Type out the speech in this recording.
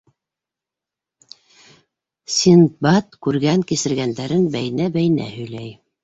Синдбад күргән-кисергәндәрен бәйнә-бәйнә һөйләй.